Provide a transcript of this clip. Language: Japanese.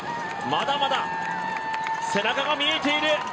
まだまだ、背中が見えている！